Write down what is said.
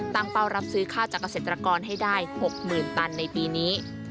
เป้ารับซื้อข้าวจากเกษตรกรให้ได้๖๐๐๐ตันในปีนี้